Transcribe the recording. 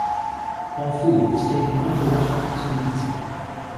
All food is taken underwater to be eaten.